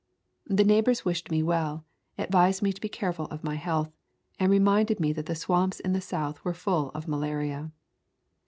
"The neighbors wished me well, advised me to be careful of my health, and reminded me that the swamps in the South were full of malaria.